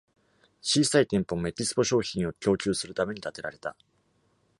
小さい店舗も、エキスポ商品を供給するために、建てられた。